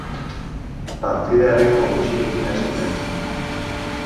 Partida erritmo gutxirekin hasi zen.